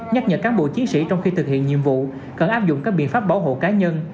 nhắc nhở cán bộ chiến sĩ trong khi thực hiện nhiệm vụ cần áp dụng các biện pháp bảo hộ cá nhân